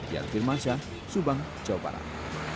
yang firman saya subang jawa barat